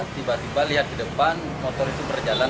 tiba tiba lihat ke depan motor itu berjalan